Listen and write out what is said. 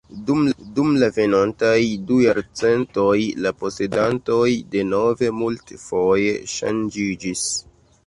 Dum la venontaj du jarcentoj la posedantoj denove multfoje ŝanĝiĝis.